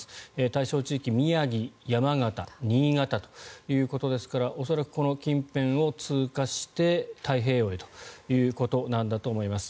対象地域、宮城、山形新潟ということですから恐らくこの近辺を通過して太平洋へということなんだと思います。